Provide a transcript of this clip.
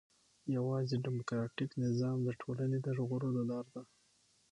يوازي ډيموکراټيک نظام د ټولني د ژغورلو لار ده.